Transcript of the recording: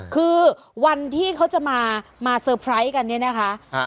คือวันที่เขาจะมาเซอร์ไพรส์กันเนี่ยนะคะ